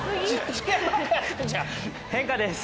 変化です。